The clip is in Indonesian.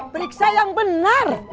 periksa yang benar